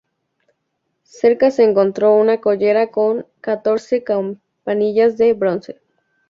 Cerca se encontró una collera con catorce campanillas de bronce.